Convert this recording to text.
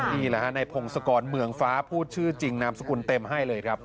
นี่แหละฮะในพงศกรเมืองฟ้าพูดชื่อจริงนามสกุลเต็มให้เลยครับ